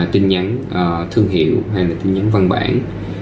tin nhắn thương hiệu hay là tin nhắn văn bản